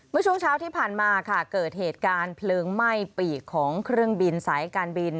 เมื่อช่วงเช้าที่ผ่านมาค่ะเกิดเหตุการณ์เพลิงไหม้ปีกของเครื่องบินสายการบิน